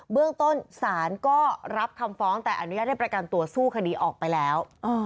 เรื่องต้นศาลก็รับคำฟ้องแต่อนุญาตให้ประกันตัวสู้คดีออกไปแล้ว